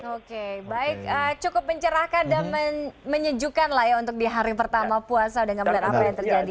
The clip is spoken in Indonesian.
oke baik cukup mencerahkan dan menyejukkan lah ya untuk di hari pertama puasa dengan melihat apa yang terjadi